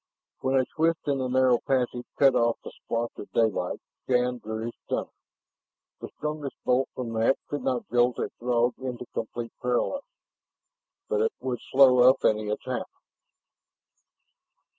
When a twist in the narrow passage cut off the splotch of daylight, Shann drew his stunner. The strongest bolt from that could not jolt a Throg into complete paralysis, but it would slow up any attack.